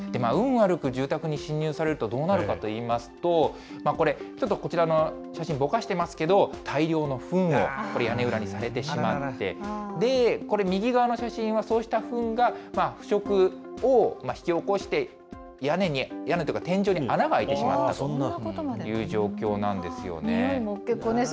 悪く住宅に侵入されると、どうなるかといいますと、これ、ちょっとこちらの写真、ぼかしてますけれども、大量のふんを、屋根裏にされてしまって、これ、右側の写真は、そうしたふんが腐食を引き起こして、屋根とか天井に穴が開いてしまったという状況なんですよね。